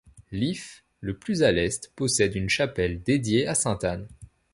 L'if le plus à l'est possède une chapelle dédiée à sainte Anne.